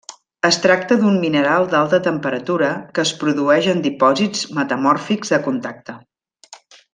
Es tracta d'un mineral d'alta temperatura que es produeix en dipòsits metamòrfics de contacte.